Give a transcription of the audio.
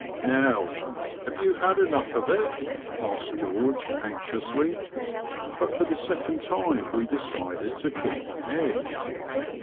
Now have you had enough of it ?" asked George^ anxiously ; but for the second time we decided to keep ahead.